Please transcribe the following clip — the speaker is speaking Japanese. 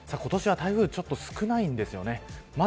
今年は、台風ちょっと少ないんですよね。